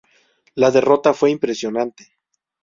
La derrota fue impresionante.